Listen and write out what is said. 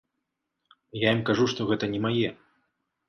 Я ім кажу, што гэта не мае.